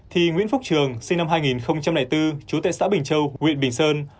thì nguyễn phúc trường sinh năm hai nghìn bốn chú tại xã bình châu huyện bình sơn